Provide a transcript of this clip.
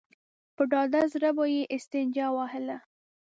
په ډاډه زړه به يې استنجا وهله.